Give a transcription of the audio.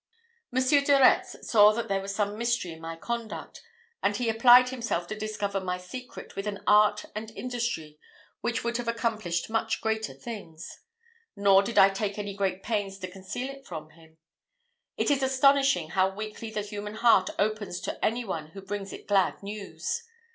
Monsieur de Retz saw that there was some mystery in my conduct, and he applied himself to discover my secret with an art and industry which would have accomplished much greater things. Nor did I take any great pains to conceal it from him. It is astonishing how weakly the human heart opens to any one who brings it glad news.